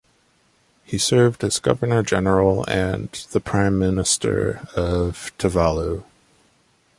He served as Governor-General and the Prime Minister of Tuvalu.